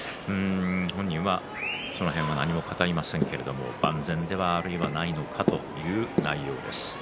本人は、その辺りはあまり語りませんけども万全ではないのかという内容です。